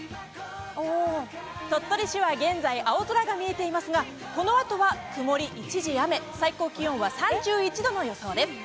鳥取市は現在、青空が見えていますが、このあとは曇り一時雨、最高気温は３１度の予想です。